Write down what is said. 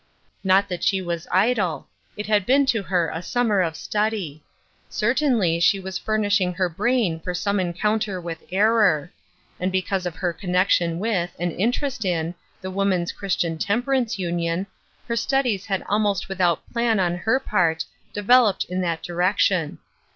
Not that she was idle ; it had been to her a summer of study. Certainly she was furnishing her brain for some encounter with error ; and because of her connection with, and interest in, the Woman's Christian Temperance Union, her studies had almost without plan on her part, devel oped in that direction.